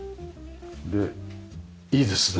でいいですね